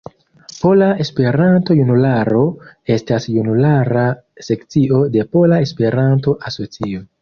Pola Esperanto-Junularo estas junulara sekcio de Pola Esperanto-Asocio.